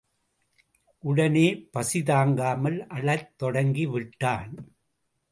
உடனே பசி தாங்காமல் அழத் தொடங்கி விட்டான்.